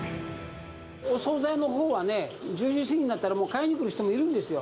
お総菜のほうはね、１０時過ぎになったら、もう買いに来る人もいるんですよ。